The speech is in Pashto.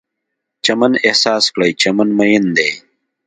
چمن احساس کړئ، چمن میین دی